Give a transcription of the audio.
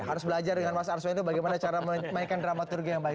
harus belajar dengan mas arsoyno bagaimana cara memainkan drama turgi yang baik